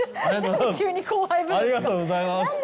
ありがとうございます！